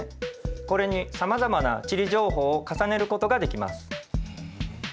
これにさまざまな地理情報を重ねることができます。